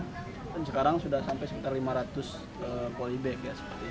dan sekarang sudah sampai sekitar lima ratus bolibek